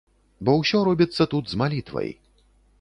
Бо ўсё робіцца тут з малітвай.